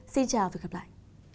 xin chào và hẹn gặp lại